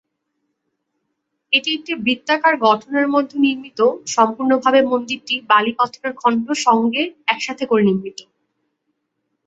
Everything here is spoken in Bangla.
এটি একটি বৃত্তাকার গঠনের মধ্যে নির্মিত, সম্পূর্ণভাবে মন্দিরটি বালি পাথরের খন্ড সঙ্গে একসাথে করে নির্মিত।